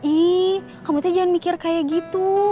ih kamu tuh jangan mikir kayak gitu